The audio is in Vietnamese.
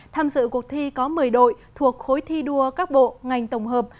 tham dự cuộc thi có một mươi đội thuộc khối thi đua các bộ ngành tổng hợp